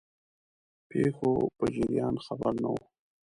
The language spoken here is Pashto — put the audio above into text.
پیښو په جریان خبر نه وو.